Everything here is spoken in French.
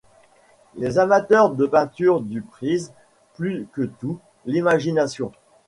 Les amateurs de peinture du prisent, plus que tout, l'imagination.